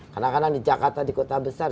kadang kadang di jakarta di kota besar